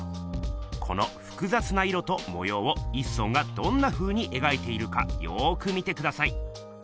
このふくざつな色ともようを一村がどんなふうにえがいているかよく見てください。